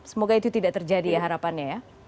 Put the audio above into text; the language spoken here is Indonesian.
semoga itu tidak terjadi ya harapannya ya